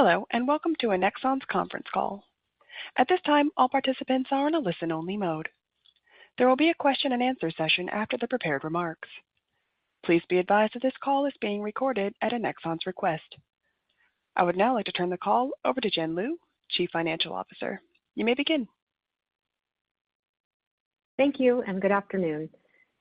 Hello, welcome to Annexon's conference call. At this time, all participants are in a listen-only mode. There will be a question and answer session after the prepared remarks. Please be advised that this call is being recorded at Annexon's request. I would now like to turn the call over to Jennifer Lew, Chief Financial Officer. You may begin. Thank you, good afternoon.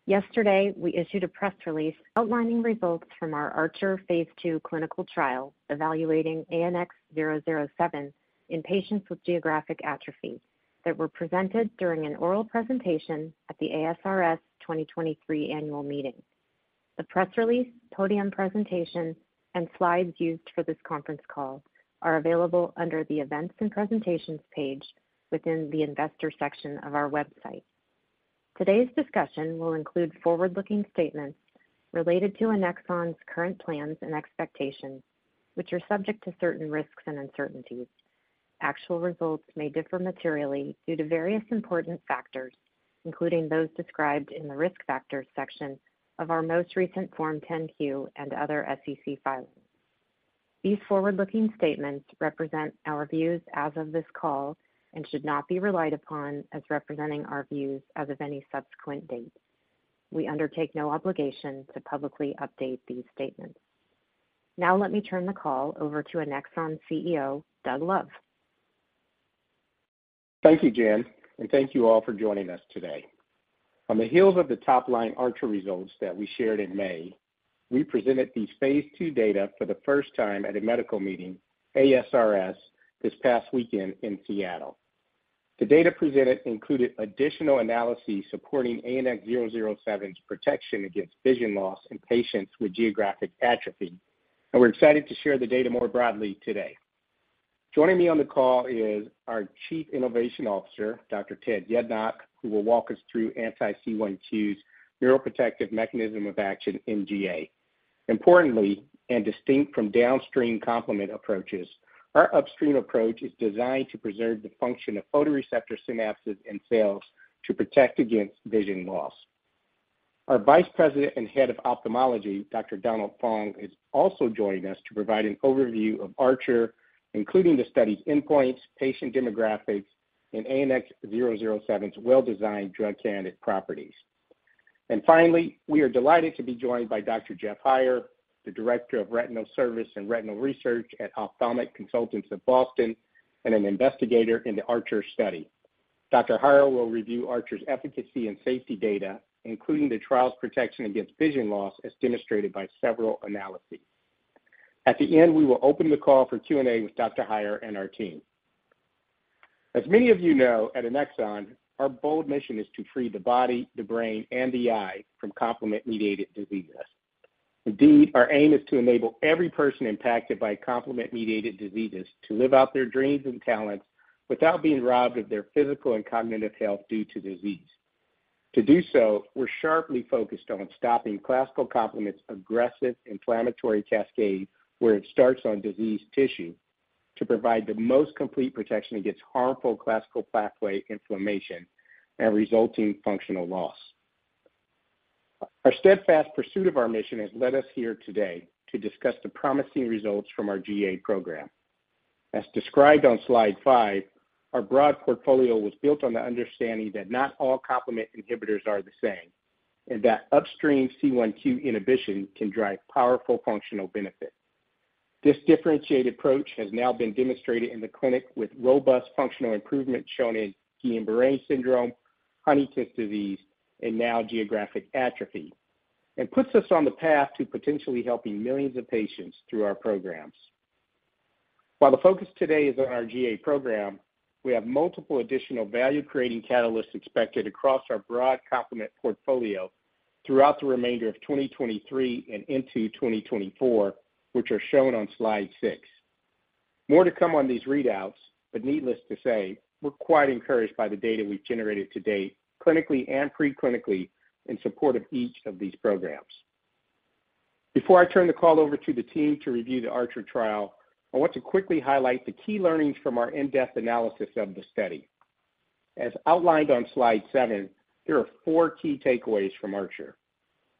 Yesterday, we issued a press release outlining results from our ARCHER phase II clinical trial, evaluating ANX007 in patients with geographic atrophy, that were presented during an oral presentation at the ASRS 2023 annual meeting. The press release, podium presentation, and slides used for this conference call are available under the Events and Presentations page within the Investor section of our website. Today's discussion will include forward-looking statements related to Annexon's current plans and expectations, which are subject to certain risks and uncertainties. Actual results may differ materially due to various important factors, including those described in the Risk Factors section of our most recent Form 10-Q and other SEC filings. These forward-looking statements represent our views as of this call and should not be relied upon as representing our views as of any subsequent date. We undertake no obligation to publicly update these statements. Now let me turn the call over to Annexon's CEO, Doug Love. Thank you, Jen. Thank you all for joining us today. On the heels of the top-line ARCHER results that we shared in May, we presented these phase II data for the first time at a medical meeting, ASRS, this past weekend in Seattle. The data presented included additional analysis supporting ANX007's protection against vision loss in patients with geographic atrophy, and we're excited to share the data more broadly today. Joining me on the call is our Chief Innovation Officer, Dr. Ted Yednock, who will walk us through anti-C1q's neuroprotective mechanism of action in GA. Importantly, and distinct from downstream complement approaches, our upstream approach is designed to preserve the function of photoreceptor synapses and cells to protect against vision loss. Our Vice President and Head of Ophthalmology, Dr. Donald Fong is also joining us to provide an overview of ARCHER, including the study's endpoints, patient demographics, and ANX007's well-designed drug candidate properties. Finally, we are delighted to be joined by Dr. Jeff Heier, the Director of Retinal Service and Retinal Research at Ophthalmic Consultants of Boston and an investigator in the ARCHER study. Dr. Heier will review ARCHER's efficacy and safety data, including the trial's protection against vision loss, as demonstrated by several analyses. At the end, we will open the call for Q&A with Dr. Heier and our team. As many of you know, at Annexon, our bold mission is to free the body, the brain, and the eye from complement-mediated diseases. Indeed, our aim is to enable every person impacted by complement-mediated diseases to live out their dreams and talents without being robbed of their physical and cognitive health due to disease. To do so, we're sharply focused on stopping classical complement's aggressive inflammatory cascade, where it starts on diseased tissue, to provide the most complete protection against harmful classical pathway inflammation and resulting functional loss. Our steadfast pursuit of our mission has led us here today to discuss the promising results from our GA program. As described on slide 5, our broad portfolio was built on the understanding that not all complement inhibitors are the same, and that upstream C1q inhibition can drive powerful functional benefits. This differentiated approach has now been demonstrated in the clinic, with robust functional improvement shown in Guillain-Barré syndrome, Huntington's disease, and now geographic atrophy, and puts us on the path to potentially helping millions of patients through our programs. While the focus today is on our GA program, we have multiple additional value-creating catalysts expected across our broad complement portfolio throughout the remainder of 2023 and into 2024, which are shown on slide 6. More to come on these readouts, but needless to say, we're quite encouraged by the data we've generated to date, clinically and pre-clinically, in support of each of these programs. Before I turn the call over to the team to review the ARCHER trial, I want to quickly highlight the key learnings from our in-depth analysis of the study. As outlined on slide 7, there are four key takeaways from ARCHER.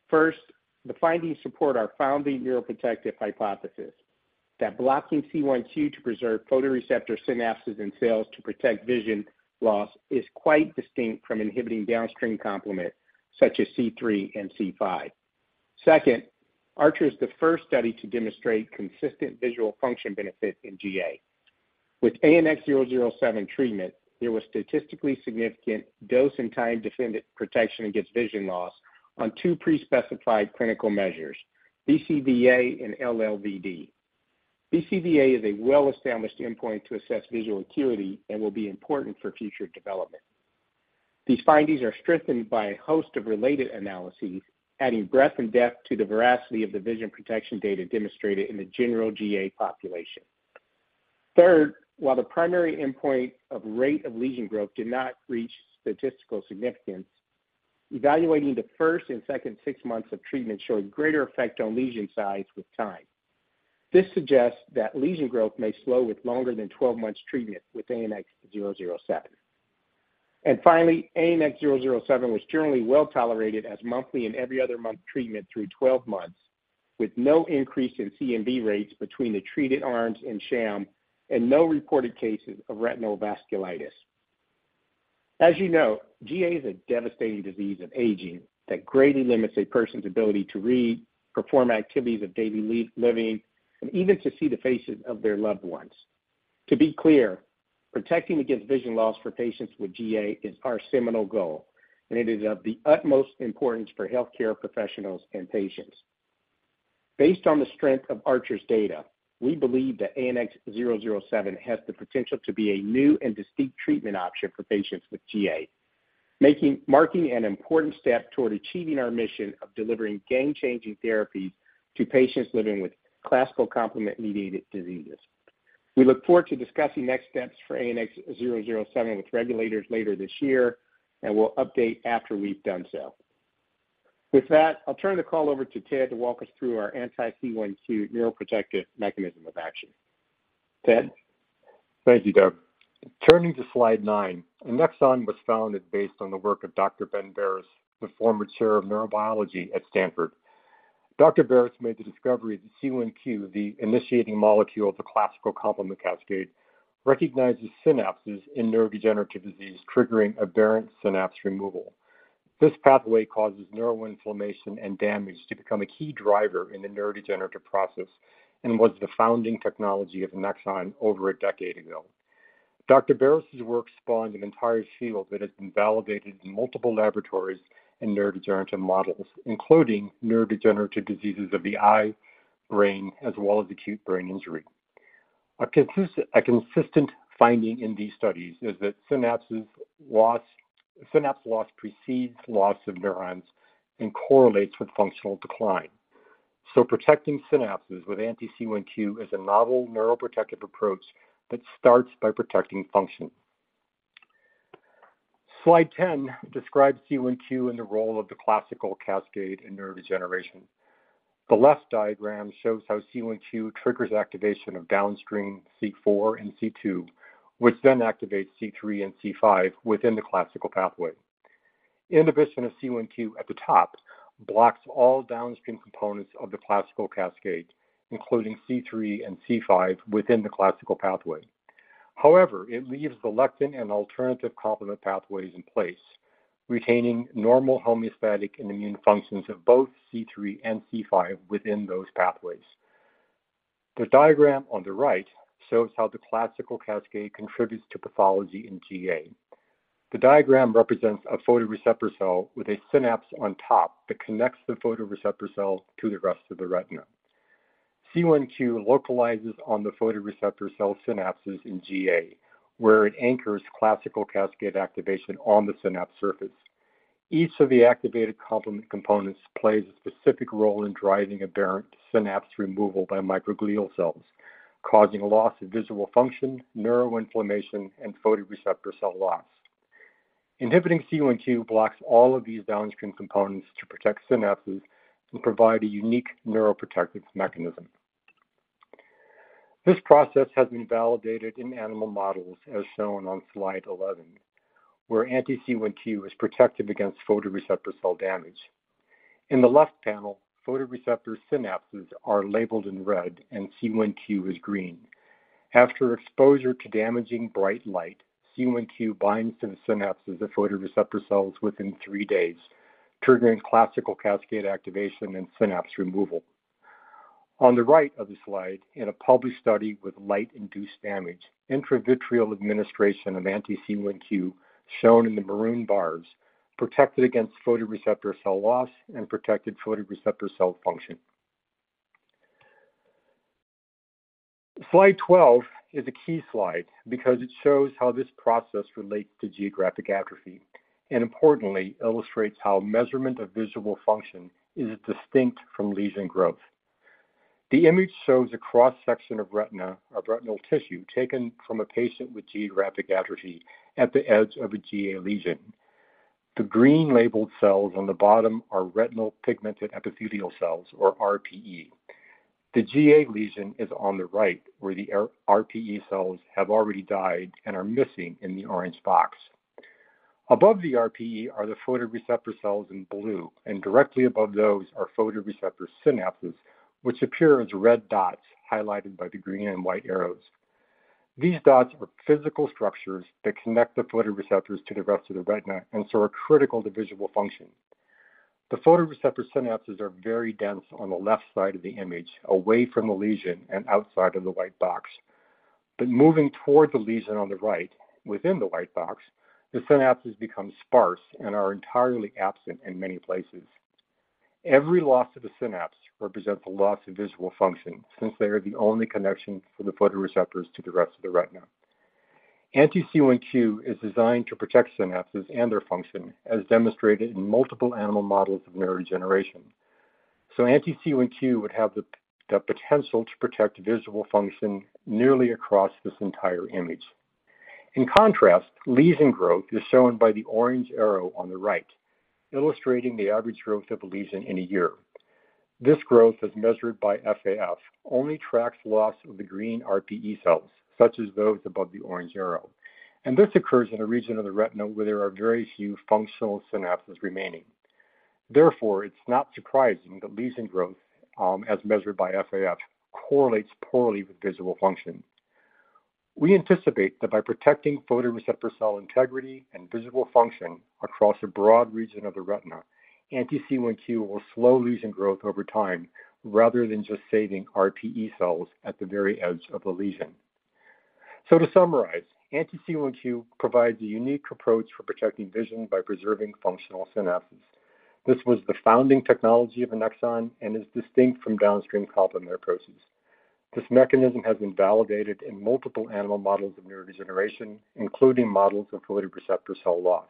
First, the findings support our founding neuroprotective hypothesis that blocking C1q to preserve photoreceptor synapses and cells to protect vision loss is quite distinct from inhibiting downstream complement, such as C3 and C5. Second, ARCHER is the first study to demonstrate consistent visual function benefit in GA. With ANX007 treatment, there was statistically significant dose and time-dependent protection against vision loss on 2 pre-specified clinical measures, BCVA and LLVD. BCVA is a well-established endpoint to assess visual acuity and will be important for future development. These findings are strengthened by a host of related analyses, adding breadth and depth to the veracity of the vision protection data demonstrated in the general GA population. Third, while the primary endpoint of rate of lesion growth did not reach statistical significance, evaluating the first and second 6 months of treatment showed greater effect on lesion size with time. This suggests that lesion growth may slow with longer than 12 months treatment with ANX007. Finally, ANX007 was generally well-tolerated as monthly and every other month treatment through 12 months, with no increase in CNV rates between the treated arms and sham, and no reported cases of retinal vasculitis. As you know, GA is a devastating disease of aging that greatly limits a person's ability to read, perform activities of daily living, and even to see the faces of their loved ones. To be clear, protecting against vision loss for patients with GA is our seminal goal, and it is of the utmost importance for healthcare professionals and patients. Based on the strength of ARCHER's data, we believe that ANX007 has the potential to be a new and distinct treatment option for patients with GA, marking an important step toward achieving our mission of delivering game-changing therapies to patients living with classical complement-mediated diseases. We look forward to discussing next steps for ANX007 with regulators later this year. We'll update after we've done so. With that, I'll turn the call over to Ted to walk us through our anti-C1Q neuroprotective mechanism of action. Ted? Thank you, Doug. Turning to slide 9, Annexon was founded based on the work of Dr. Ben Barres, the former Chair of Neurobiology at Stanford. Dr. Barres made the discovery that C1Q, the initiating molecule of the classical complement cascade, recognizes synapses in neurodegenerative disease, triggering aberrant synapse removal. This pathway causes neuroinflammation and damage to become a key driver in the neurodegenerative process and was the founding technology of Annexon over a decade ago. Dr. Barres' work spawned an entire field that has been validated in multiple laboratories and neurodegenerative models, including neurodegenerative diseases of the eye, brain, as well as acute brain injury. A consistent finding in these studies is that synapses loss, synapse loss precedes loss of neurons and correlates with functional decline. Protecting synapses with anti-C1q is a novel neuroprotective approach that starts by protecting function. Slide 10 describes C1Q and the role of the classical cascade in neurodegeneration. The left diagram shows how C1Q triggers activation of downstream C4 and C2, which then activates C3 and C5 within the classical pathway. Inhibition of C1Q at the top blocks all downstream components of the classical cascade, including C3 and C5, within the classical pathway. However, it leaves the lectin and alternative complement pathways in place, retaining normal homeostatic and immune functions of both C3 and C5 within those pathways. The diagram on the right shows how the classical cascade contributes to pathology in GA. The diagram represents a photoreceptor cell with a synapse on top that connects the photoreceptor cells to the rest of the retina. C1Q localizes on the photoreceptor cell synapses in GA, where it anchors classical cascade activation on the synapse surface. Each of the activated complement components plays a specific role in driving aberrant synapse removal by microglial cells, causing loss of visible function, neuroinflammation, and photoreceptor cell loss. Inhibiting C1Q blocks all of these downstream components to protect synapses and provide a unique neuroprotective mechanism. This process has been validated in animal models, as shown on slide 11, where anti-C1Q is protective against photoreceptor cell damage. In the left panel, photoreceptor synapses are labeled in red, and C1Q is green. After exposure to damaging bright light, C1Q binds to the synapses of photoreceptor cells within three days, triggering classical cascade activation and synapse removal. On the right of the slide, in a published study with light-induced damage, intravitreal administration of anti-C1Q, shown in the maroon bars, protected against photoreceptor cell loss and protected photoreceptor cell function. Slide 12 is a key slide because it shows how this process relates to geographic atrophy and importantly, illustrates how measurement of visible function is distinct from lesion growth. The image shows a cross-section of retina or retinal tissue taken from a patient with geographic atrophy at the edge of a GA lesion. The green labeled cells on the bottom are retinal pigment epithelial cells, or RPE. The GA lesion is on the right, where the RPE cells have already died and are missing in the orange box. Above the RPE are the photoreceptor cells in blue, and directly above those are photoreceptor synapses, which appear as red dots highlighted by the green and white arrows. These dots are physical structures that connect the photoreceptors to the rest of the retina and so are critical to visual function. The photoreceptor synapses are very dense on the left side of the image, away from the lesion and outside of the white box. Moving toward the lesion on the right, within the white box, the synapses become sparse and are entirely absent in many places. Every loss of a synapse represents a loss of visual function since they are the only connection for the photoreceptors to the rest of the retina. Anti-C1q is designed to protect synapses and their function, as demonstrated in multiple animal models of neurodegeneration. Anti-C1q would have the potential to protect visible function nearly across this entire image. In contrast, lesion growth is shown by the orange arrow on the right, illustrating the average growth of a lesion in a year. This growth, as measured by FAF, only tracks loss of the green RPE cells, such as those above the orange arrow. This occurs in a region of the retina where there are very few functional synapses remaining. Therefore, it's not surprising that lesion growth, as measured by FAF, correlates poorly with visible function. We anticipate that by protecting photoreceptor cell integrity and visible function across a broad region of the retina, anti-C1q will slow lesion growth over time, rather than just saving RPE cells at the very edge of the lesion. To summarize, anti-C1q provides a unique approach for protecting vision by preserving functional synapses. This was the founding technology of Annexon and is distinct from downstream complement processes. This mechanism has been validated in multiple animal models of neurodegeneration, including models of photoreceptor cell loss.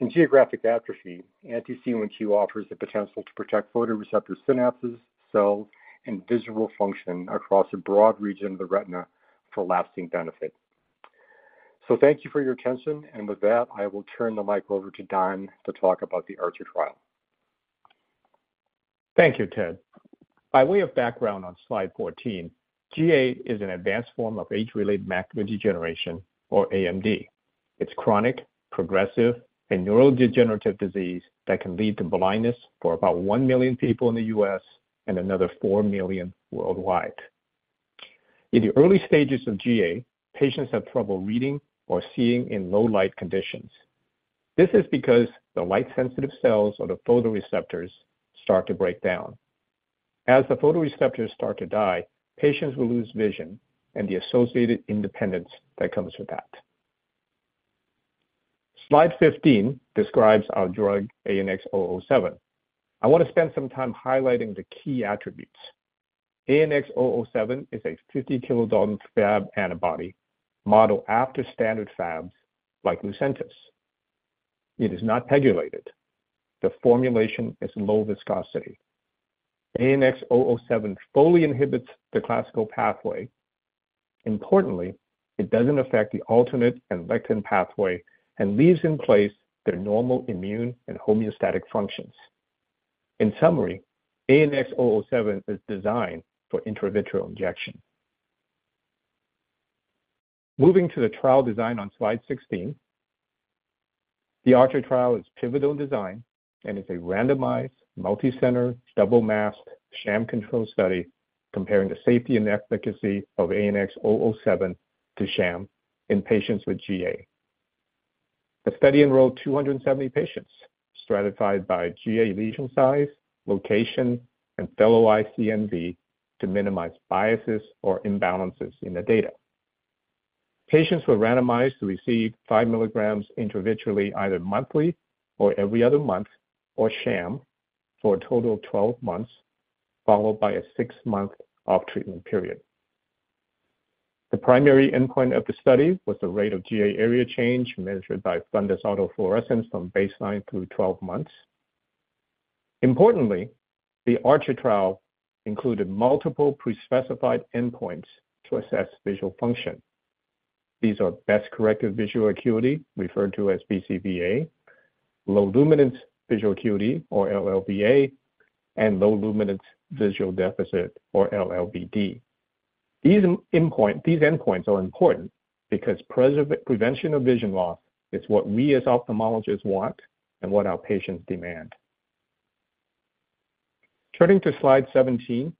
In geographic atrophy, anti-C1q offers the potential to protect photoreceptor synapses, cells, and visual function across a broad region of the retina for lasting benefit. Thank you for your attention, and with that, I will turn the mic over to Don to talk about the ARCHER trial. Thank you, Ted. By way of background on slide 14, GA is an advanced form of age-related macular degeneration, or AMD. It's chronic, progressive, and neurodegenerative disease that can lead to blindness for about 1 million people in the U.S. and another 4 million worldwide. In the early stages of GA, patients have trouble reading or seeing in low light conditions. This is because the light-sensitive cells or the photoreceptors start to break down. As the photoreceptors start to die, patients will lose vision and the associated independence that comes with that. Slide 15 describes our drug, ANX007. I want to spend some time highlighting the key attributes. ANX007 is a 50 kilodalton Fab antibody modeled after standard Fabs, like Lucentis. It is not PEGylated. The formulation is low viscosity. ANX007 fully inhibits the classical pathway. Importantly, it doesn't affect the alternate and lectin pathway and leaves in place their normal immune and homeostatic functions. In summary, ANX007 is designed for intravitreal injection. Moving to the trial design on slide 16. The ARCHER trial is pivotal design and is a randomized, multicenter, double-masked, sham-controlled study comparing the safety and efficacy of ANX007 to sham in patients with GA. The study enrolled 270 patients, stratified by GA lesion size, location, and fellow eye CNV to minimize biases or imbalances in the data. Patients were randomized to receive 5 milligrams intravitreally, either monthly or every other month, or sham, for a total of 12 months, followed by a 6-month off treatment period. The primary endpoint of the study was the rate of GA area change, measured by fundus autofluorescence from baseline through 12 months. Importantly, the ARCHER trial included multiple pre-specified endpoints to assess visual function. These are Best Corrected Visual Acuity, referred to as BCVA, Low Luminance Visual Acuity or LLVA, and Low Luminance Visual Deficit or LLVD. These endpoints are important because prevention of vision loss is what we, as ophthalmologists, want and what our patients demand. Turning to slide 17,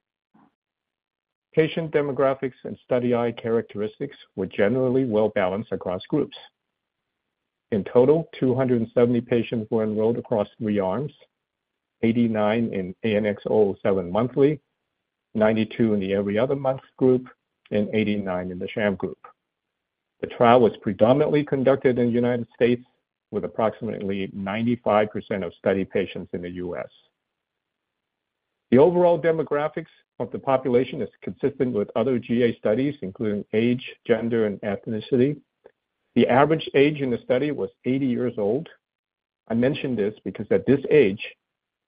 patient demographics and study eye characteristics were generally well-balanced across groups. In total, 270 patients were enrolled across three arms: 89 in ANX007 monthly, 92 in the every other month group, and 89 in the sham group. The trial was predominantly conducted in the United States, with approximately 95% of study patients in the U.S. The overall demographics of the population is consistent with other GA studies, including age, gender, and ethnicity. The average age in the study was 80 years old. I mention this because, at this age,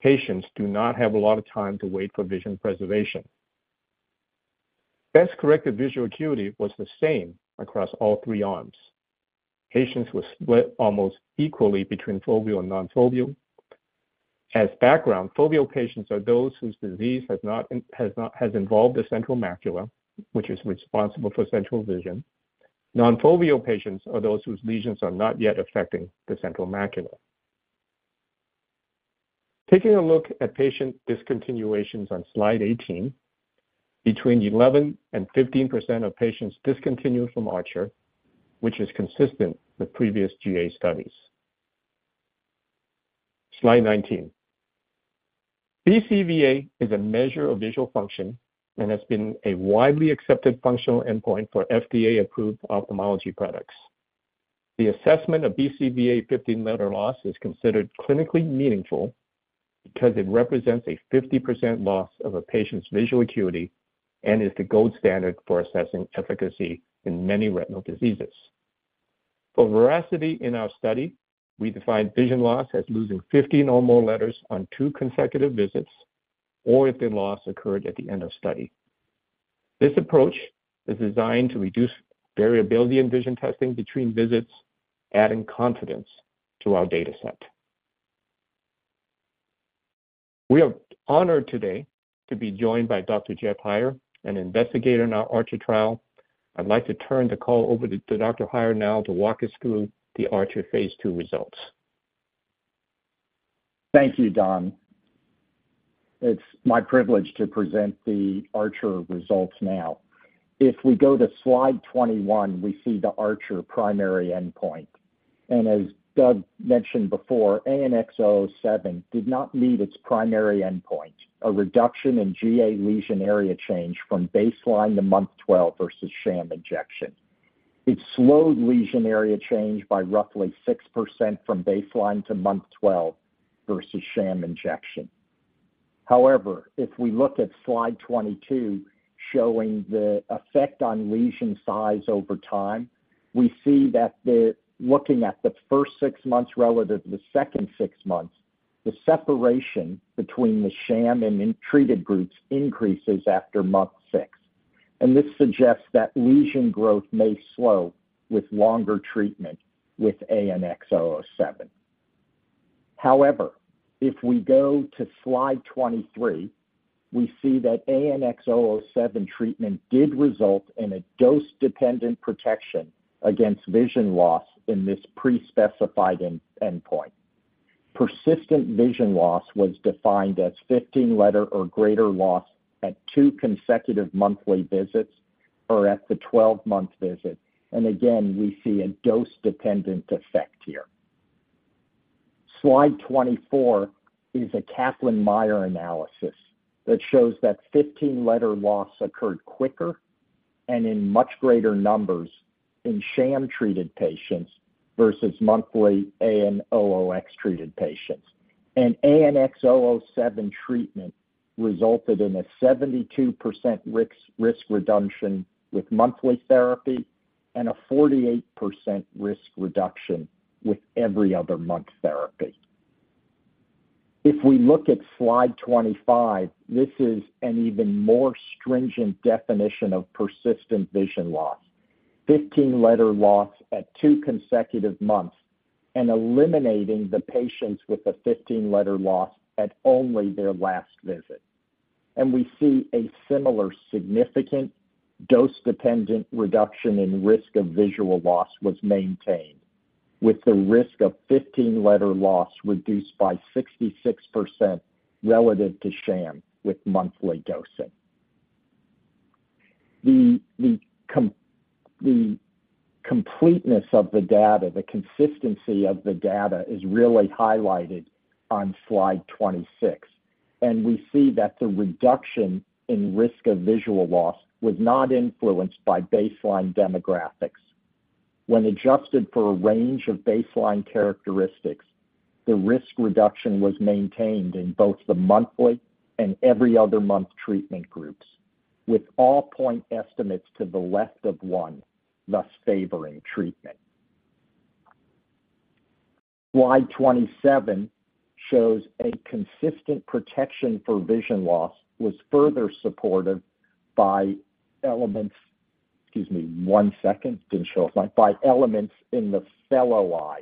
patients do not have a lot of time to wait for vision preservation. Best Corrected Visual Acuity was the same across all three arms. Patients were split almost equally between foveal and non-foveal. As background, foveal patients are those whose disease has not involved the central macula, which is responsible for central vision. Non-foveal patients are those whose lesions are not yet affecting the central macula. Taking a look at patient discontinuations on slide 18, between 11% and 15% of patients discontinued from ARCHER, which is consistent with previous GA studies. Slide 19. BCVA is a measure of visual function and has been a widely accepted functional endpoint for FDA-approved ophthalmology products. The assessment of BCVA 15 letter loss is considered clinically meaningful because it represents a 50% loss of a patient's visual acuity and is the gold standard for assessing efficacy in many retinal diseases. For veracity in our study, we defined vision loss as losing 15 or more letters on two consecutive visits or if the loss occurred at the end of study. This approach is designed to reduce variability in vision testing between visits, adding confidence to our data set. We are honored today to be joined by Dr. Jeff Heier, an investigator in our ARCHER phase II trial. I'd like to turn the call over to Dr. Heier now to walk us through the ARCHER phase II results. Thank you, Don. It's my privilege to present the ARCHER results now. If we go to slide 21, we see the ARCHER primary endpoint. As Doug mentioned before, ANX007 did not meet its primary endpoint, a reduction in GA lesion area change from baseline to month 12 versus sham injection. It slowed lesion area change by roughly 6% from baseline to month 12 versus sham injection. However, if we look at slide 22, showing the effect on lesion size over time, we see that looking at the first 6 months relative to the second 6 months, the separation between the sham and in treated groups increases after month 6. This suggests that lesion growth may slow with longer treatment with ANX007. However, if we go to slide 23, we see that ANX007 treatment did result in a dose-dependent protection against vision loss in this pre-specified endpoint. Persistent vision loss was defined as 15 letter or greater loss at two consecutive monthly visits or at the 12-month visit. Again, we see a dose-dependent effect here. Slide 24 is a Kaplan-Meier analysis that shows that 15 letter loss occurred quicker and in much greater numbers in sham-treated patients versus monthly ANX007-treated patients. ANX007 treatment resulted in a 72% risk reduction with monthly therapy and a 48% risk reduction with every other month therapy. If we look at slide 25, this is an even more stringent definition of persistent vision loss. 15 letter loss at two consecutive months and eliminating the patients with a 15 letter loss at only their last visit. We see a similar significant dose-dependent reduction in risk of visual loss was maintained, with the risk of 15 letter loss reduced by 66% relative to sham with monthly dosing. The completeness of the data, the consistency of the data, is really highlighted on slide 26. We see that the reduction in risk of visual loss was not influenced by baseline demographics. When adjusted for a range of baseline characteristics, the risk reduction was maintained in both the monthly and every other month treatment groups, with all point estimates to the left of 1, thus favoring treatment. Slide 27 shows a consistent protection for vision loss was further supported by. Excuse me 1 second, didn't show a slide. By elements in the fellow eye.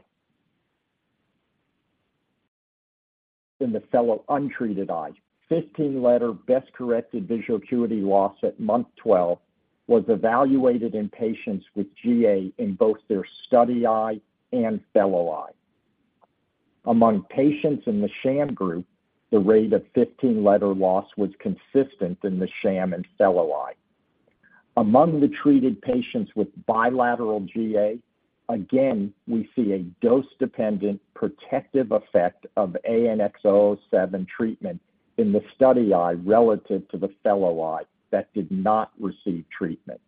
In the fellow untreated eye. 15 letter Best Corrected Visual Acuity loss at month 12 was evaluated in patients with GA in both their study eye and fellow eye. Among patients in the sham group, the rate of 15 letter loss was consistent in the sham and fellow eye. Among the treated patients with bilateral GA, again, we see a dose-dependent protective effect of ANX007 treatment in the study eye relative to the fellow eye that did not receive treatment.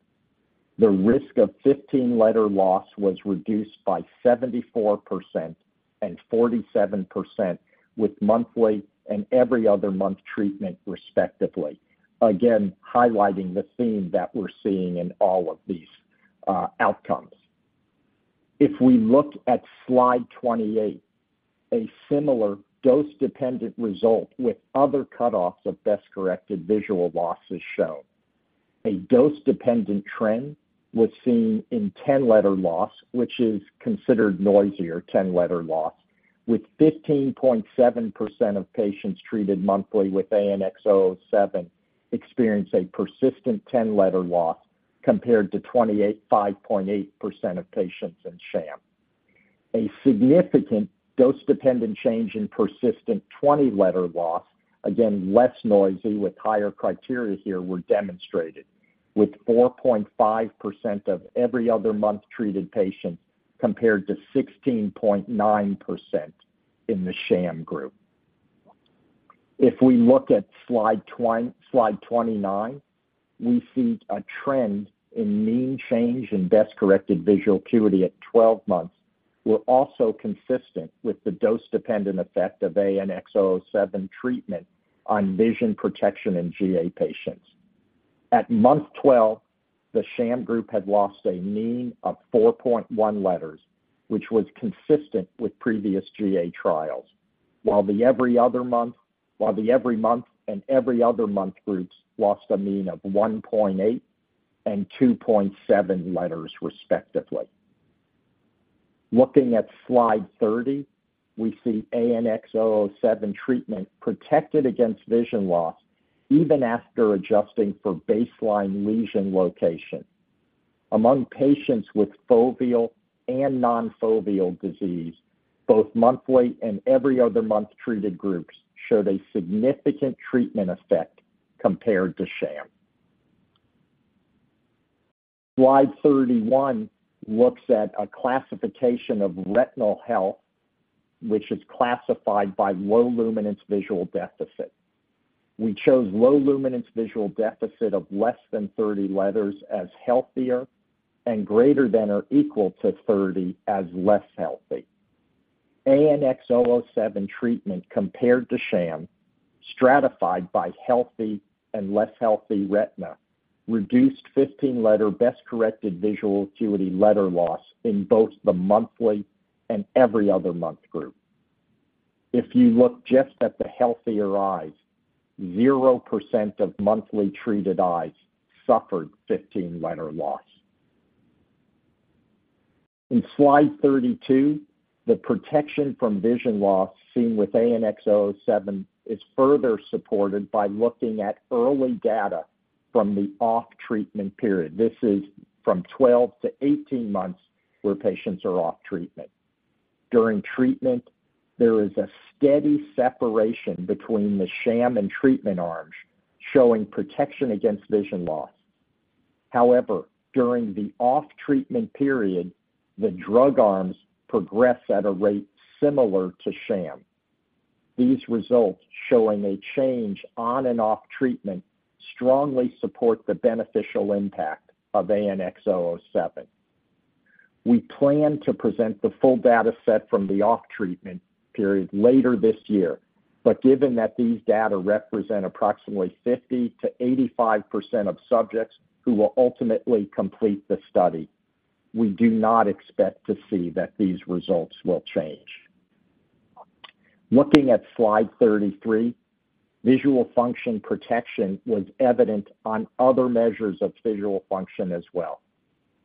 The risk of 15 letter loss was reduced by 74% and 47% with monthly and every other month treatment, respectively. Again, highlighting the theme that we're seeing in all of these outcomes. If we look at slide 28, a similar dose-dependent result with other cutoffs of Best Corrected Visual loss is shown. A dose-dependent trend was seen in 10 letter loss, which is considered noisier, 10 letter loss, with 15.7% of patients treated monthly with ANX007 experienced a persistent 10 letter loss, compared to 5.8% of patients in sham. A significant dose-dependent change in persistent 20 letter loss, again, less noisy with higher criteria here, were demonstrated, with 4.5% of every other month treated patients compared to 16.9% in the sham group. If we look at slide 29, we see a trend in mean change in Best Corrected Visual Acuity at 12 months were also consistent with the dose-dependent effect of ANX007 treatment on vision protection in GA patients. At month 12. the sham group had lost a mean of 4.1 letters, which was consistent with previous GA trials, while the every month and every other month groups lost a mean of 1.8 and 2.7 letters, respectively. Looking at Slide 30, we see ANX007 treatment protected against vision loss even after adjusting for baseline lesion location. Among patients with foveal and non-foveal disease, both monthly and every other month treated groups showed a significant treatment effect compared to sham. Slide 31 looks at a classification of retinal health, which is classified by low luminance visual deficit. We chose low luminance visual deficit of less than 30 letters as healthier and greater than or equal to 30 as less healthy. ANX007 treatment compared to sham, stratified by healthy and less healthy retina, reduced 15 letter Best Corrected Visual Acuity letter loss in both the monthly and every other month group. If you look just at the healthier eyes, 0% of monthly treated eyes suffered 15 letter loss. In Slide 32, the protection from vision loss seen with ANX007 is further supported by looking at early data from the off-treatment period. This is from 12 to 18 months where patients are off treatment. During treatment, there is a steady separation between the sham and treatment arms, showing protection against vision loss. However, during the off-treatment period, the drug arms progress at a rate similar to sham. These results, showing a change on and off treatment, strongly support the beneficial impact of ANX007. We plan to present the full data set from the off-treatment period later this year, given that these data represent approximately 50%-85% of subjects who will ultimately complete the study, we do not expect to see that these results will change. Looking at Slide 33, visual function protection was evident on other measures of visual function as well.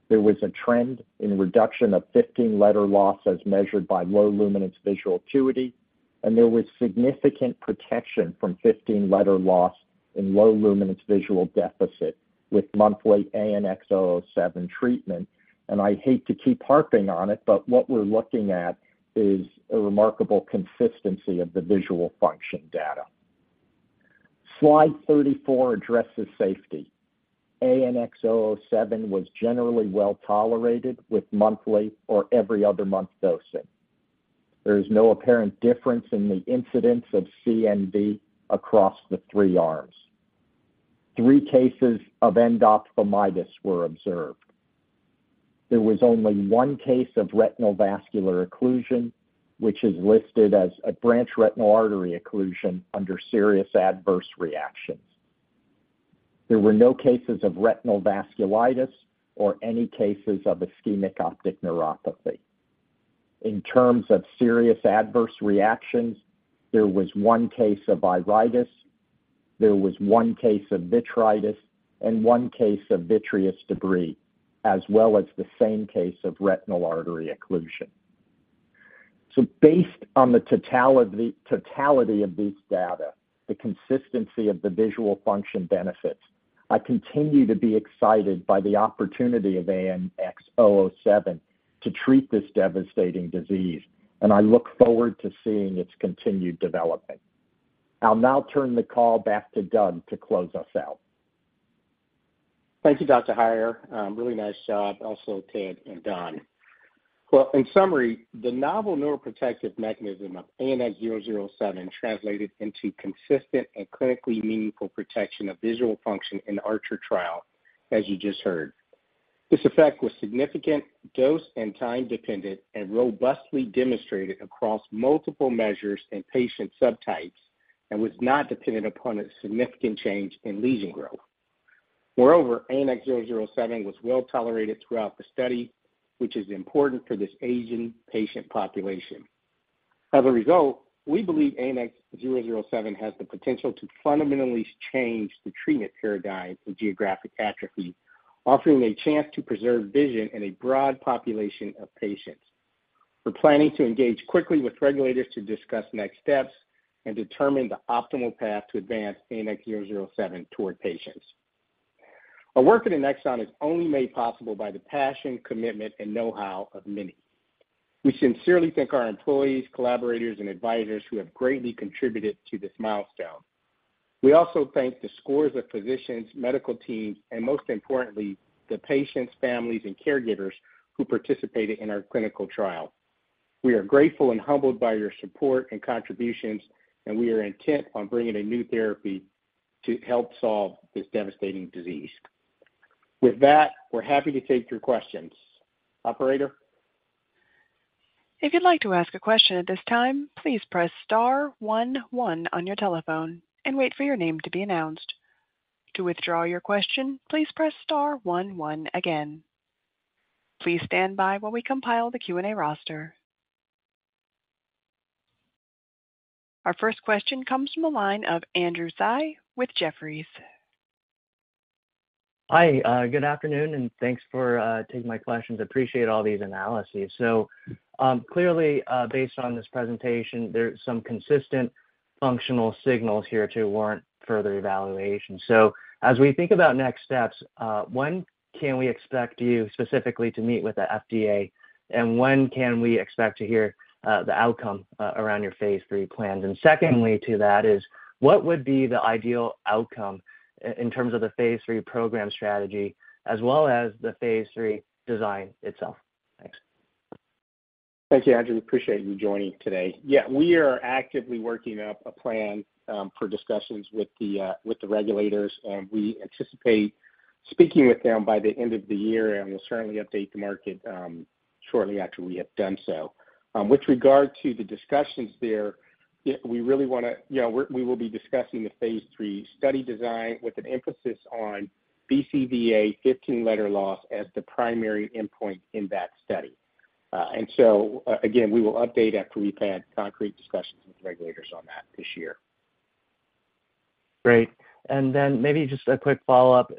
There was a trend in reduction of 15 letter loss as measured by Low Luminance Visual Acuity, there was significant protection from 15 letter loss in Low Luminance Visual Deficit with monthly ANX007 treatment. I hate to keep harping on it, but what we're looking at is a remarkable consistency of the visual function data. Slide 34 addresses safety. ANX007 was generally well tolerated with monthly or every other month dosing. There is no apparent difference in the incidence of CNV across the three arms. 3 cases of endophthalmitis were observed. There was only 1 case of retinal vascular occlusion, which is listed as a branch retinal artery occlusion under serious adverse reactions. There were no cases of retinal vasculitis or any cases of ischemic optic neuropathy. In terms of serious adverse reactions, there was 1 case of iritis, there was 1 case of vitritis, and 1 case of vitreous debris, as well as the same case of retinal artery occlusion. Based on the totality, totality of these data, the consistency of the visual function benefits, I continue to be excited by the opportunity of ANX007 to treat this devastating disease, and I look forward to seeing its continued development. I'll now turn the call back to Doug to close us out. Thank you, Dr. Heier. Really nice job, also Ted and Don. Well, in summary, the novel neuroprotective mechanism of ANX007 translated into consistent and clinically meaningful protection of visual function in the ARCHER trial, as you just heard. This effect was significant, dose and time-dependent, and robustly demonstrated across multiple measures and patient subtypes, and was not dependent upon a significant change in lesion growth. Moreover, ANX007 was well tolerated throughout the study, which is important for this aging patient population. As a result, we believe ANX007 has the potential to fundamentally change the treatment paradigm for geographic atrophy, offering a chance to preserve vision in a broad population of patients. We're planning to engage quickly with regulators to discuss next steps and determine the optimal path to advance ANX007 toward patients. Our work at Annexon is only made possible by the passion, commitment, and know-how of many. We sincerely thank our employees, collaborators, and advisors who have greatly contributed to this milestone. We also thank the scores of physicians, medical teams, and most importantly, the patients, families, and caregivers who participated in our clinical trial. We are grateful and humbled by your support and contributions, and we are intent on bringing a new therapy to help solve this devastating disease. With that, we're happy to take your questions. Operator? If you'd like to ask a question at this time, please press star one one on your telephone and wait for your name to be announced. To withdraw your question, please press star one one again. Please stand by while we compile the Q&A roster. Our first question comes from the line of Andrew Tsai with Jefferies. Hi, good afternoon, and thanks for taking my questions. Appreciate all these analyses. Clearly, based on this presentation, there's some consistent functional signals here to warrant further evaluation. As we think about next steps, when can we expect you specifically to meet with the FDA? When can we expect to hear the outcome around your phase III plans? Secondly to that is, what would be the ideal outcome in terms of the phase III program strategy as well as the phase III design itself? Thanks. Thank you, Andrew. Appreciate you joining today. We are actively working up a plan for discussions with the regulators. We anticipate speaking with them by the end of the year. We'll certainly update the market shortly after we have done so. With regard to the discussions there, we really want to, you know, we will be discussing the phase III study design with an emphasis on BCVA 15 letter loss as the primary endpoint in that study. Again, we will update after we've had concrete discussions with regulators on that this year. Great. Then maybe just a quick follow-up,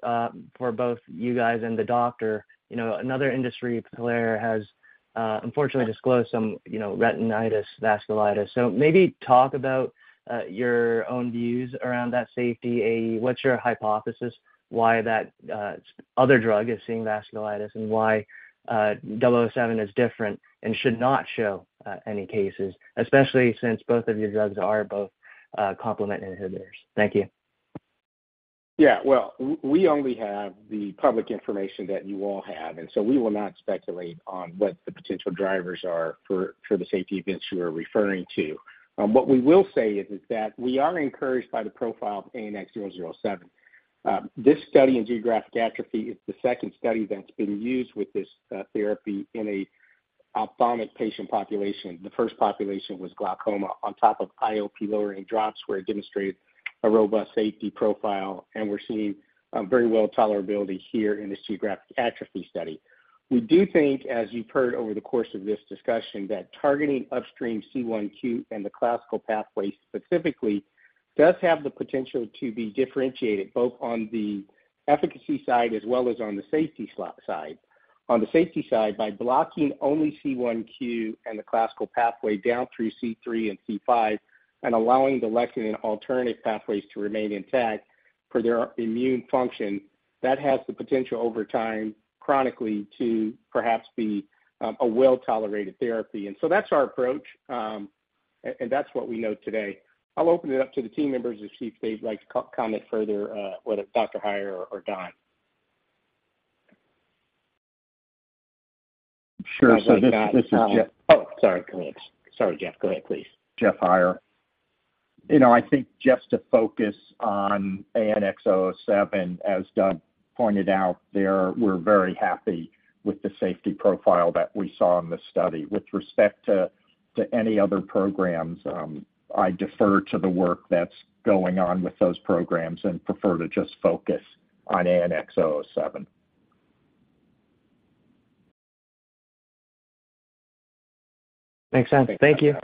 for both you guys and the doctor. You know, another industry player has, unfortunately disclosed some, you know, retinal vasculitis. So maybe talk about, your own views around that safety. A, what's your hypothesis why that, other drug is seeing vasculitis, and why, ANX007 is different and should not show, any cases, especially since both of your drugs are both, complement inhibitors? Thank you. Yeah, well, we only have the public information that you all have, and so we will not speculate on what the potential drivers are for, for the safety events you are referring to. What we will say is that we are encouraged by the profile of ANX007. This study in geographic atrophy is the second study that's been used with this therapy in a ophthalmic patient population. The first population was glaucoma on top of IOP-lowering drops, where it demonstrated a robust safety profile, and we're seeing very well tolerability here in this geographic atrophy study. We do think, as you've heard over the course of this discussion, that targeting upstream C1Q and the classical pathway specifically, does have the potential to be differentiated, both on the efficacy side as well as on the safety side. On the safety side, by blocking only C1Q and the classical pathway down through C3 and C5 and allowing the lectin and alternative pathways to remain intact for their immune function, that has the potential over time, chronically, to perhaps be a well-tolerated therapy. So that's our approach, a-and that's what we know today. I'll open it up to the team members to see if they'd like to co-comment further, whether it's Dr. Heier or Don. Sure. This, this is Jeff- Oh, sorry, go ahead. Sorry, Jeff. Go ahead, please. Jeffrey Heier. You know, I think just to focus on ANX007, as Doug pointed out there, we're very happy with the safety profile that we saw in the study. With respect to any other programs, I defer to the work that's going on with those programs and prefer to just focus on ANX007. Makes sense. Thank you.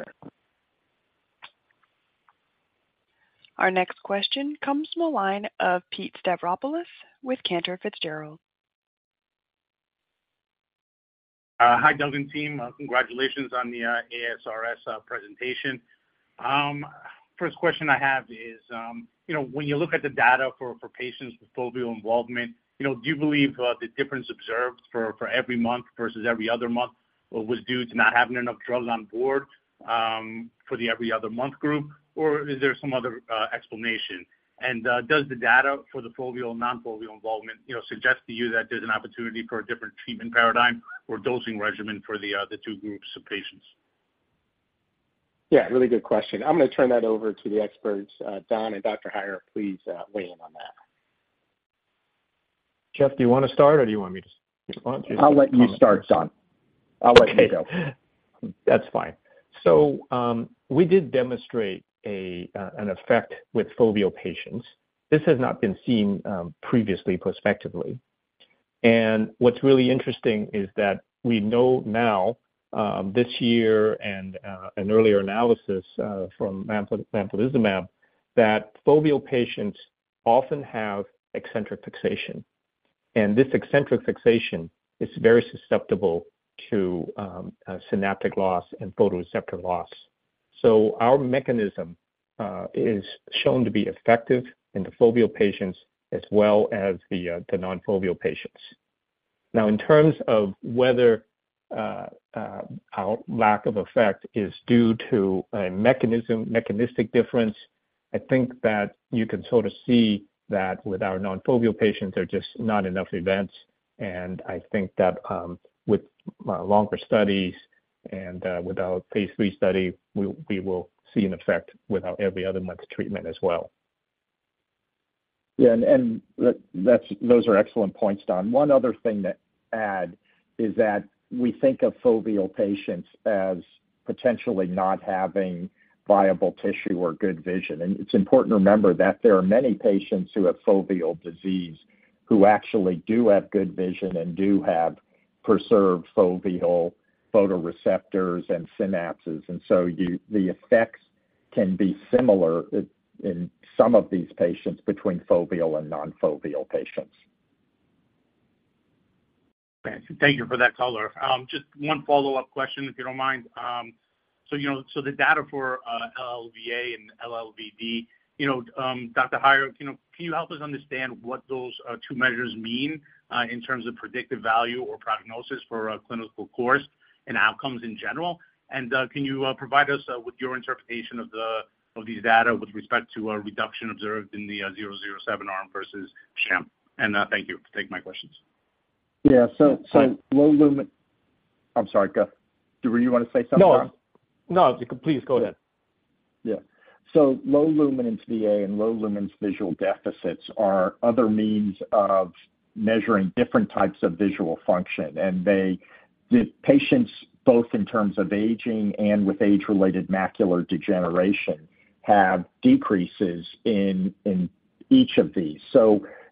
Our next question comes from the line of Pete Stavropoulos with Cantor Fitzgerald. Hi, Doug and team. Congratulations on the ASRS presentation. First question I have is, you know, when you look at the data for, for patients with foveal involvement, you know, do you believe the difference observed for, for every month versus every other month was due to not having enough drugs on board, for the every other month group, or is there some other explanation? Does the data for the foveal, non-foveal involvement, you know, suggest to you that there's an opportunity for a different treatment paradigm or dosing regimen for the two groups of patients? Yeah, really good question. I'm going to turn that over to the experts. Don and Dr. Heier, please, weigh in on that. Jeff, do you want to start, or do you want me to respond to you? I'll let you start, Don. I'll let you go. That's fine. We did demonstrate an effect with foveal patients. This has not been seen previously, prospectively. What's really interesting is that we know now, this year and an earlier analysis from lampalizumab, that foveal patients often have eccentric fixation, and this eccentric fixation is very susceptible to synaptic loss and photoreceptor loss. Our mechanism is shown to be effective in the foveal patients as well as the non-foveal patients. In terms of whether our lack of effect is due to a mechanism, mechanistic difference, I think that you can sort of see that with our non-foveal patients, there are just not enough events. I think that, with longer studies and, with our phase III study, we, we will see an effect without every other month treatment as well. Yeah, that's, those are excellent points, Don. One other thing to add is that we think of foveal patients as potentially not having viable tissue or good vision. It's important to remember that there are many patients who have foveal disease who actually do have good vision and do have preserved foveal photoreceptors and synapses. So the effects can be similar in, in some of these patients between foveal and non-foveal patients. Thank you for that color. Just 1 follow-up question, if you don't mind. You know, so the data for LLVA and LLVD, you know, Dr. Heier, can you help us understand what those 2 measures mean in terms of predictive value or prognosis for a clinical course and outcomes in general? Can you provide us with your interpretation of these data with respect to a reduction observed in the zero zero seven arm versus sham? Thank you. Take my questions. Yeah. So low lumin- I'm sorry, go. Do you want to say something, Don? No. No, please go ahead. Yeah. Low Luminance VA and Low Luminance Visual Deficits are other means of measuring different types of visual function, and they, the patients, both in terms of aging and with age-related macular degeneration, have decreases in, in each of these.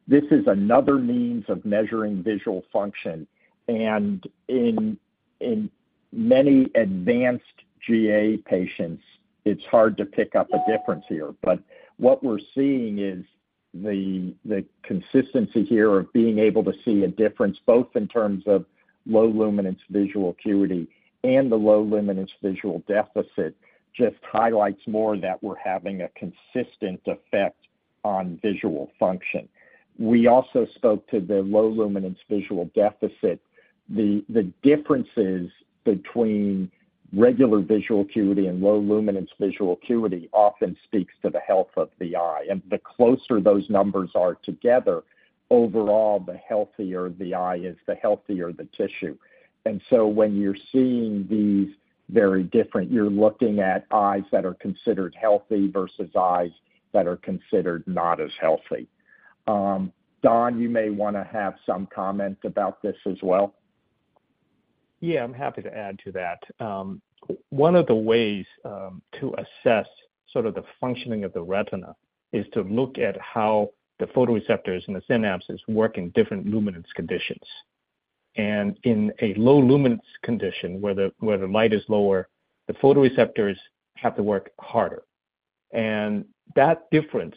This is another means of measuring visual function. And in, in many advanced GA patients, it's hard to pick up a difference here. But what we're seeing is the, the consistency here of being able to see a difference, both in terms of Low Luminance Visual Acuity and the Low Luminance Visual Deficit, just highlights more that we're having a consistent effect on visual function. We also spoke to the Low Luminance Visual Deficit. The, the differences between regular visual acuity and Low Luminance Visual Acuity often speaks to the health of the eye. The closer those numbers are together, overall, the healthier the eye is, the healthier the tissue. When you're seeing these very different, you're looking at eyes that are considered healthy versus eyes that are considered not as healthy. Don, you may want to have some comments about this as well. Yeah, I'm happy to add to that. One of the ways to assess sort of the functioning of the retina is to look at how the photoreceptors and the synapses work in different luminance conditions. In a low luminance condition, where the, where the light is lower, the photoreceptors have to work harder. That difference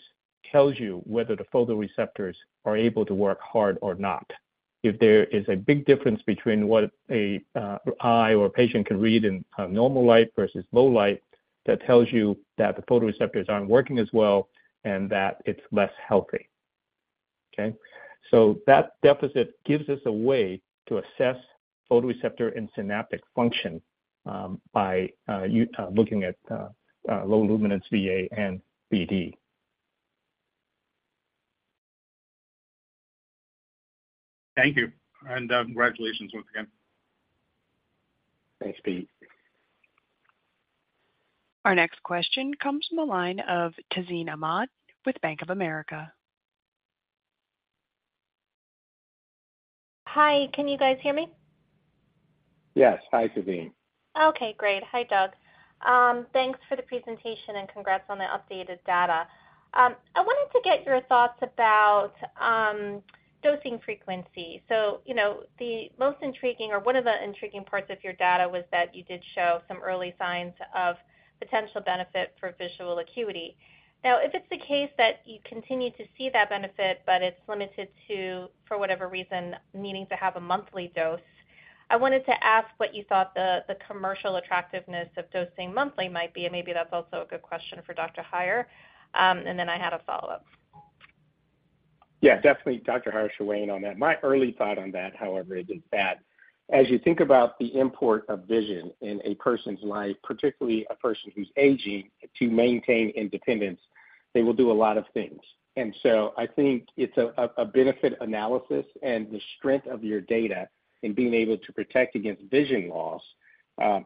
tells you whether the photoreceptors are able to work hard or not. If there is a big difference between what a eye or a patient can read in a normal light versus low light, that tells you that the photoreceptors aren't working as well and that it's less healthy. Okay? That deficit gives us a way to assess photoreceptor and synaptic function, by looking at low luminance VA and VD. Thank you, and congratulations once again. Thanks, Pete. Our next question comes from the line of Tazeen Ahmad with Bank of America. Hi, can you guys hear me? Yes. Hi, Tazeen. Okay, great. Hi, Doug. Thanks for the presentation, congrats on the updated data. I wanted to get your thoughts about dosing frequency. You know, the most intriguing or one of the intriguing parts of your data was that you did show some early signs of potential benefit for visual acuity. Now, if it's the case that you continue to see that benefit, but it's limited to, for whatever reason, needing to have a monthly dose, I wanted to ask what you thought the commercial attractiveness of dosing monthly might be, maybe that's also a good question for Dr. Heier. I had a follow-up. Yeah, definitely Dr. Heier should weigh in on that. My early thought on that, however, is that as you think about the import of vision in a person's life, particularly a person who's aging, to maintain independence, they will do a lot of things. I think it's a, a benefit analysis and the strength of your data in being able to protect against vision loss.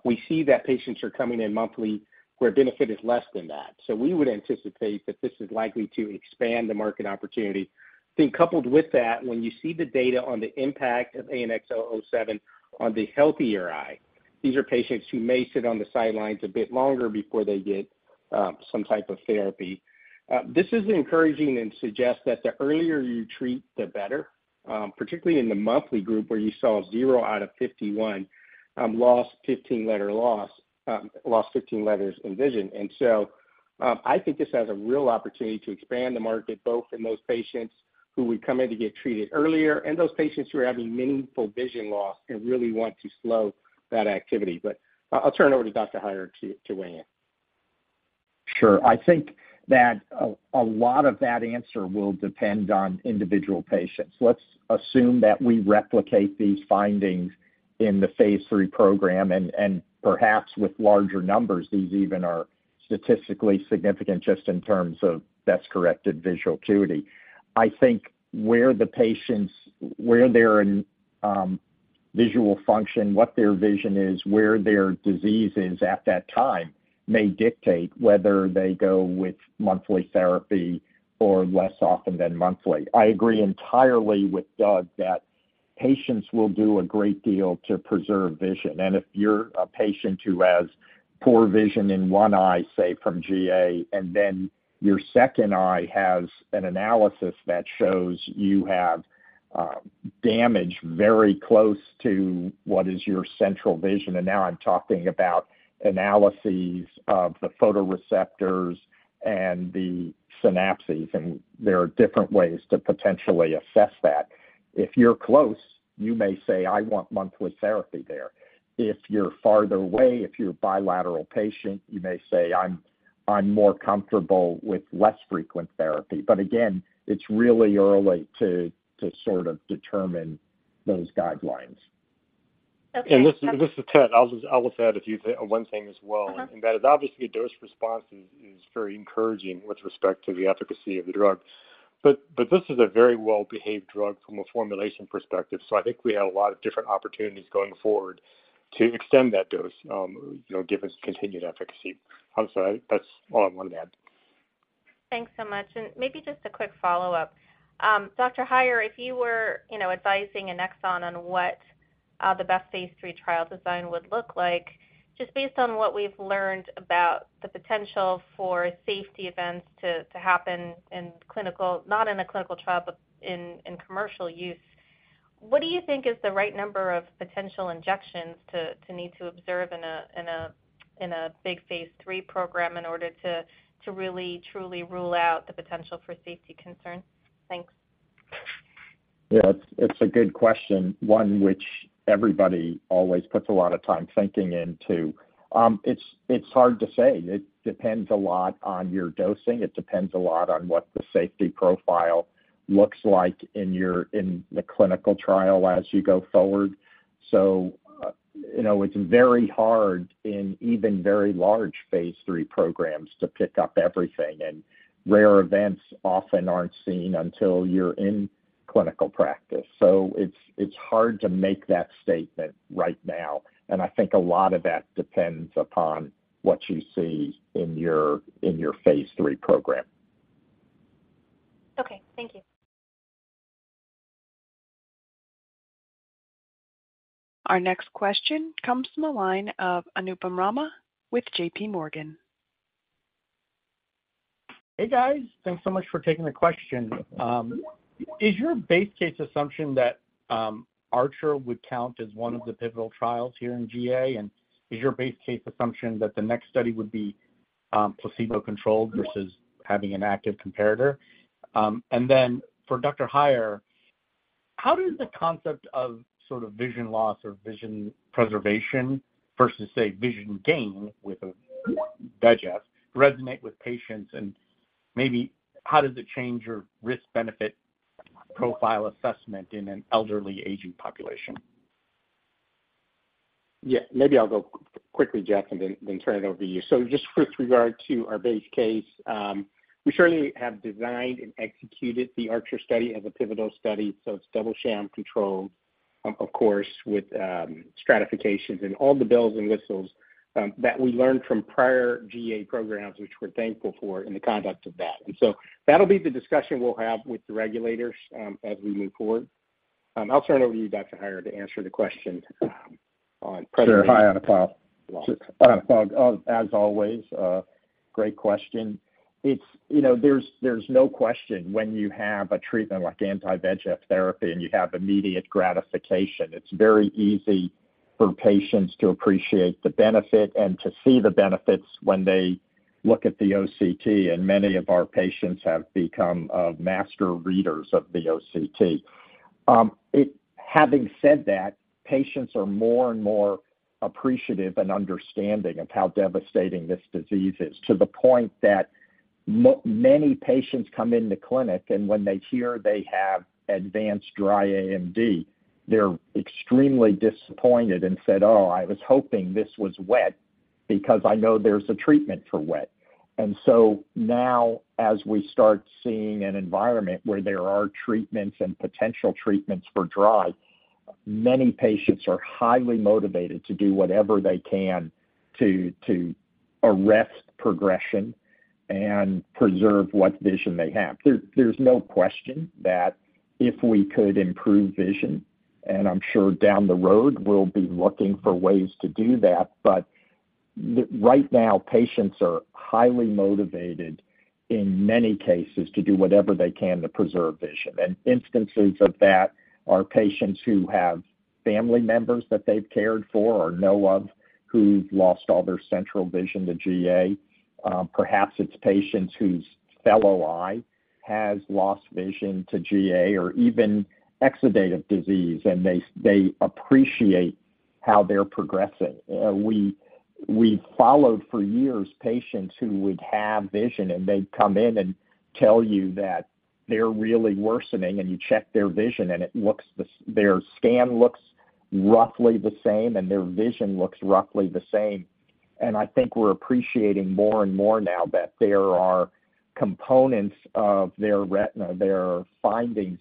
We see that patients are coming in monthly where benefit is less than that. We would anticipate that this is likely to expand the market opportunity. I think coupled with that, when you see the data on the impact of ANX007 on the healthier eye, these are patients who may sit on the sidelines a bit longer before they get some type of therapy. This is encouraging and suggests that the earlier you treat, the better, particularly in the monthly group, where you saw 0 out of 51 lost 15 letter loss, lost 15 letters in vision. I think this has a real opportunity to expand the market, both in those patients who would come in to get treated earlier and those patients who are having meaningful vision loss and really want to slow that activity. I'll, I'll turn it over to Dr. Heier to, to weigh in. Sure. I think that a lot of that answer will depend on individual patients. Let's assume that we replicate these findings in the phase III program, and perhaps with larger numbers, these even are statistically significant just in terms of Best Corrected Visual Acuity. I think where the patients, where they're in.... visual function, what their vision is, where their disease is at that time, may dictate whether they go with monthly therapy or less often than monthly. I agree entirely with Doug that patients will do a great deal to preserve vision. If you're a patient who has poor vision in one eye, say, from GA, then your second eye has an analysis that shows you have damage very close to what is your central vision, and now I'm talking about analyses of the photoreceptors and the synapses, and there are different ways to potentially assess that. If you're close, you may say, "I want monthly therapy there." If you're farther away, if you're a bilateral patient, you may say, "I'm more comfortable with less frequent therapy." Again, it's really early to sort of determine those guidelines. Okay- This is Ted. I'll just add a few things, one thing as well. Uh-huh. That is obviously dose response is very encouraging with respect to the efficacy of the drug. This is a very well-behaved drug from a formulation perspective. I think we have a lot of different opportunities going forward to extend that dose, you know, given its continued efficacy. I'm sorry, that's all I wanted to add. Thanks so much. Maybe just a quick follow-up. Dr. Heier, if you were, you know, advising Annexon on what the best phase III trial design would look like, just based on what we've learned about the potential for safety events to, to happen in clinical-- not in a clinical trial, but in, in commercial use. What do you think is the right number of potential injections to, to need to observe in a, in a, in a big Phase III program in order to, to really truly rule out the potential for safety concerns? Thanks. Yeah, it's, it's a good question, one which everybody always puts a lot of time thinking into. It's, it's hard to say. It depends a lot on your dosing. It depends a lot on what the safety profile looks like in the clinical trial as you go forward. You know, it's very hard in even very large phase III programs to pick up everything, and rare events often aren't seen until you're in clinical practice. It's, it's hard to make that statement right now, and I think a lot of that depends upon what you see in your, in your phase III program. Okay, thank you. Our next question comes from the line of Anupam Rama with JPMorgan. Hey, guys. Thanks so much for taking the question. Is your base case assumption that ARCHER would count as one of the pivotal trials here in GA? Is your base case assumption that the next study would be placebo-controlled versus having an active comparator? Then for Dr. Heier, how does the concept of sort of vision loss or vision preservation versus, say, vision gain with a VEGF resonate with patients? Maybe how does it change your risk-benefit profile assessment in an elderly aging population? Yeah, maybe I'll go quickly, Jeff, and then, then turn it over to you. Just with regard to our base case, we certainly have designed and executed the ARCHER study as a pivotal study, so it's double sham control, of course, with stratifications and all the bells and whistles that we learned from prior GA programs, which we're thankful for in the conduct of that. That'll be the discussion we'll have with the regulators, as we move forward. I'll turn it over to you, Dr. Heier, to answer the question on- Sure. Hi, Anupam. As always, a great question. It's... You know, there's, there's no question when you have a treatment like anti-VEGF therapy, and you have immediate gratification, it's very easy for patients to appreciate the benefit and to see the benefits when they look at the OCT, and many of our patients have become, master readers of the OCT. Having said that, patients are more and more appreciative and understanding of how devastating this disease is, to the point that many patients come in the clinic, and when they hear they have advanced dry AMD, they're extremely disappointed and said: "Oh, I was hoping this was wet because I know there's a treatment for wet." So now, as we start seeing an environment where there are treatments and potential treatments for dry, many patients are highly motivated to do whatever they can to, to arrest progression and preserve what vision they have. There, there's no question that if we could improve vision, and I'm sure down the road, we'll be looking for ways to do that, but right now, patients are highly motivated in many cases, to do whatever they can to preserve vision. Instances of that are patients who have family members that they've cared for or know of, who've lost all their central vision to GA. Perhaps it's patients whose fellow eye has lost vision to GA or even exudative disease, and they, they appreciate how they're progressing. We, we followed for years patients who would have vision, and they'd come in and tell you that they're really worsening, and you check their vision, and it looks their scan looks roughly the same, and their vision looks roughly the same.... I think we're appreciating more and more now that there are components of their retina, their findings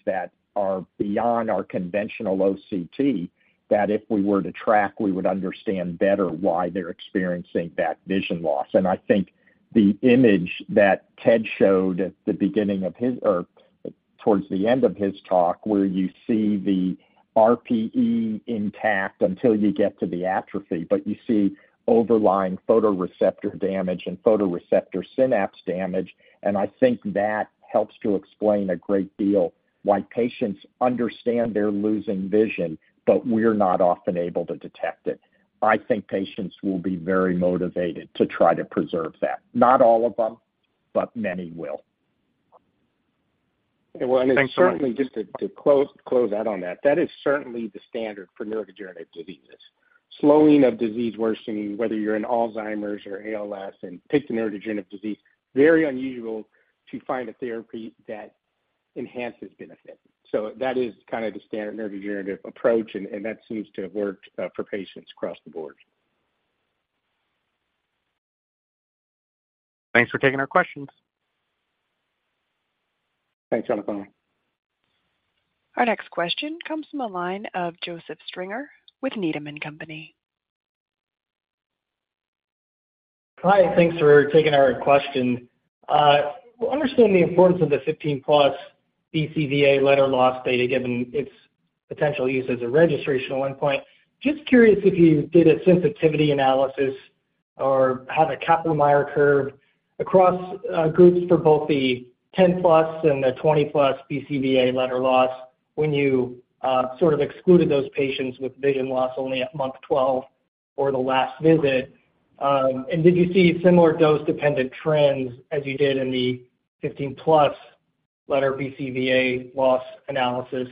that are beyond our conventional OCT, that if we were to track, we would understand better why they're experiencing that vision loss. I think the image that Ted showed at the beginning of his or towards the end of his talk, where you see the RPE intact until you get to the atrophy, but you see overlying photoreceptor damage and photoreceptor synapse damage. I think that helps to explain a great deal why patients understand they're losing vision, but we're not often able to detect it. I think patients will be very motivated to try to preserve that. Not all of them, but many will. Well, and certainly, just to, to close, close out on that, that is certainly the standard for neurodegenerative diseases. Slowing of disease worsening, whether you're in Alzheimer's or ALS, and pick the neurodegenerative disease, very unusual to find a therapy that enhances benefit. That is kind of the standard neurodegenerative approach, and, and that seems to have worked for patients across the board. Thanks for taking our questions. Thanks, Anupam. Our next question comes from the line of Joseph Stringer with Needham & Company. Hi, thanks for taking our question. We understand the importance of the 15 plus BCVA letter loss data, given its potential use as a registration at 1 point. Just curious if you did a sensitivity analysis or have a Kaplan-Meier curve across groups for both the 10 plus and the 20 plus BCVA letter loss when you sort of excluded those patients with vision loss only at month 12 or the last visit. Did you see similar dose-dependent trends as you did in the 15 plus letter BCVA loss analysis?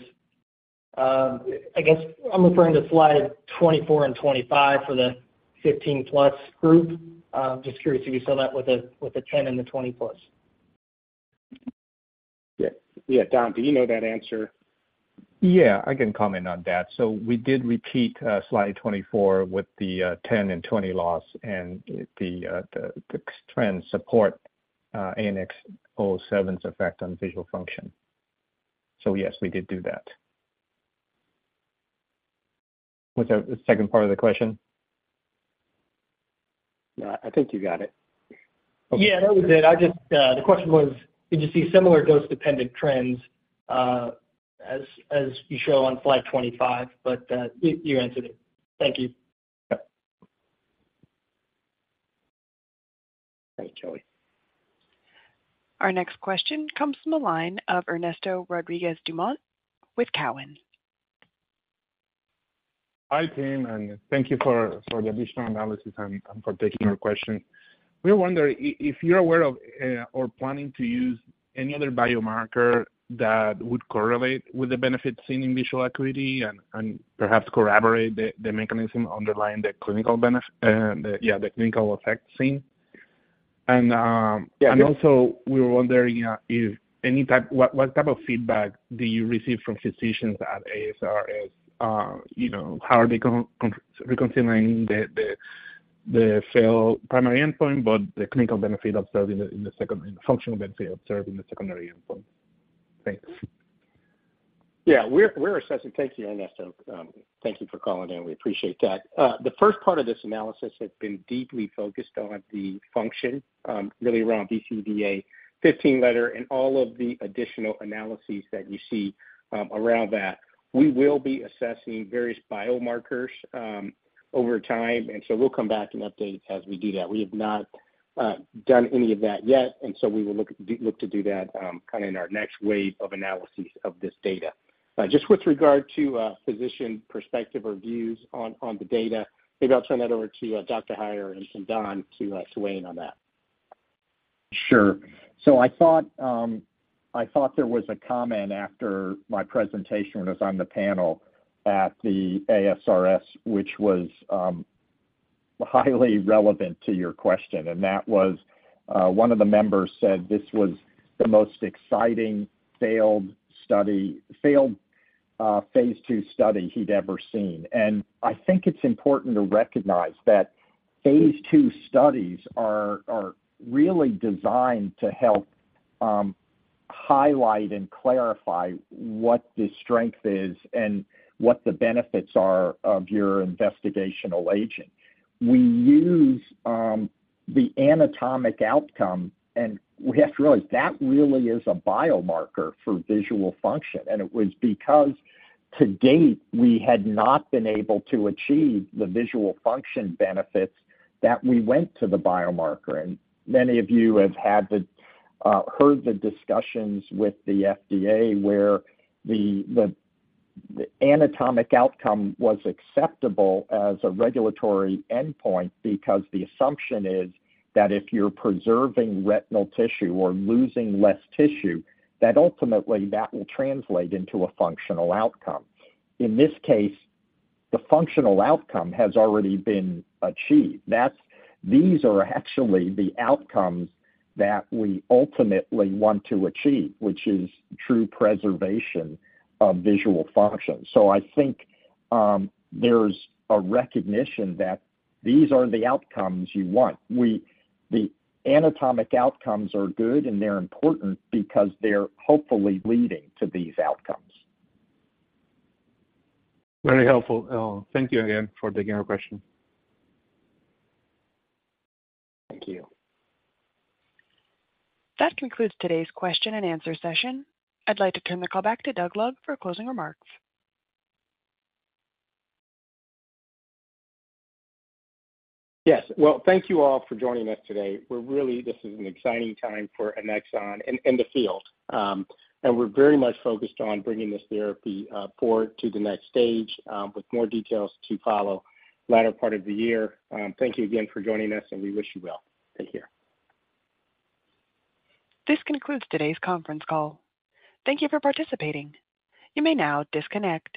I guess I'm referring to slide 24 and 25 for the 15 plus group. Just curious if you saw that with the, with the 10 and the 20 plus. Yeah. Yeah, Don, do you know that answer? Yeah, I can comment on that. We did repeat slide 24 with the 10 and 20 loss, and the, the trends support ANX007's effect on visual function. Yes, we did do that. What's the, the second part of the question? No, I think you got it. Yeah, that was it. I just, the question was, did you see similar dose-dependent trends, as, as you show on slide 25? You, you answered it. Thank you. Yep. Thanks, Joey. Our next question comes from the line of Ernesto Rodriguez‑Dumont with Cowen. Hi, team. Thank you for the additional analysis and for taking our question. We wonder if you're aware of or planning to use any other biomarker that would correlate with the benefits in visual acuity and perhaps corroborate the mechanism underlying the clinical benefit, yeah, the clinical effect seen. Yeah. Also, we were wondering, what, what type of feedback do you receive from physicians at ASRS? You know, how are they reconsidering the, the, the failed primary endpoint, but the clinical benefit observed in the, in the second, functional benefit observed in the secondary endpoint? Thanks. Yeah, we're, we're assessing. Thank you, Ernesto. Thank you for calling in. We appreciate that. The first part of this analysis has been deeply focused on the function, really around BCVA 15 letter and all of the additional analyses that you see around that. We will be assessing various biomarkers over time, and so we'll come back and update as we do that. We have not done any of that yet, and so we will look at, look to do that, kind of in our next wave of analyses of this data. Just with regard to physician perspective or views on the data, maybe I'll turn that over to Dr. Heier and Don to weigh in on that. Sure. I thought, I thought there was a comment after my presentation was on the panel at the ASRS, which was highly relevant to your question, and that was, one of the members said this was the most exciting failed study, failed, phase II study he'd ever seen. I think it's important to recognize that phase II studies are, are really designed to help highlight and clarify what the strength is and what the benefits are of your investigational agent. We use, the anatomic outcome, and we have to realize that really is a biomarker for visual function. It was because to date, we had not been able to achieve the visual function benefits that we went to the biomarker. Many of you have heard the discussions with the FDA, where the anatomic outcome was acceptable as a regulatory endpoint because the assumption is that if you're preserving retinal tissue or losing less tissue, that ultimately that will translate into a functional outcome. In this case, the functional outcome has already been achieved. That's. These are actually the outcomes that we ultimately want to achieve, which is true preservation of visual function. I think, there's a recognition that these are the outcomes you want. The anatomic outcomes are good, and they're important because they're hopefully leading to these outcomes. Very helpful. Thank you again for taking our question. Thank you. That concludes today's question and answer session. I'd like to turn the call back to Doug Love for closing remarks. Yes. Well, thank you all for joining us today. We're really, this is an exciting time for Annexon and the field. We're very much focused on bringing this therapy forward to the next stage, with more details to follow latter part of the year. Thank you again for joining us, we wish you well. Take care. This concludes today's conference call. Thank you for participating. You may now disconnect.